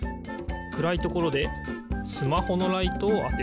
くらいところでスマホのライトをあてる。